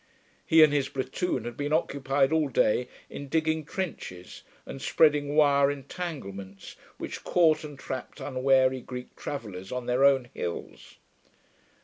He and his platoon had been occupied all day in digging trenches, and spreading wire entanglements which caught and trapped unwary Greek travellers on their own hills.